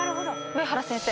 上原先生。